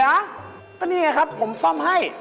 ก็นี่ไงครับผมซ่อมให้